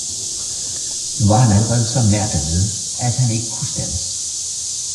Nu var han allerede så nær derved, at han ikke kunne standse